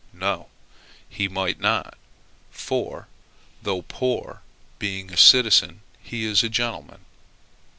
No, he might not; for, though poor, being a citizen, he is a gentleman.